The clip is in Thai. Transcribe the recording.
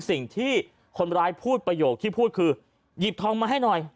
สิ่งที่คนร้ายพูดประโยคที่พูดคือหยิบทองมาให้หน่อย